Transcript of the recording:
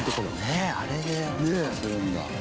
ねえあれで音がするんだ。